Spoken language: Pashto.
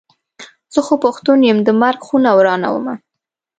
زه خو پښتون یم د مرک خونه ورانومه.